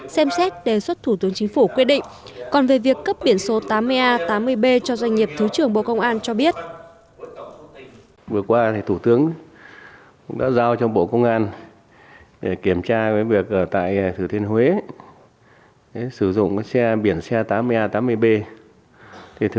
xem xét đề xuất thủ tướng chính phủ quyết định